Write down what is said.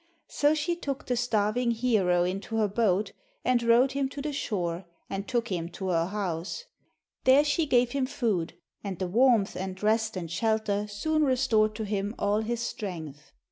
So she took the starving hero into her boat and rowed him to the shore, and took him to her house. There she gave him food, and the warmth and rest and shelter soon restored to him all his strength.